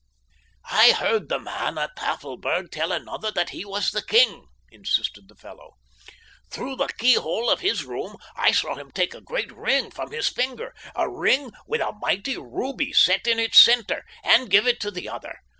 "I heard the man at Tafelberg tell another that he was the king," insisted the fellow. "Through the keyhole of his room I saw him take a great ring from his finger—a ring with a mighty ruby set in its center—and give it to the other.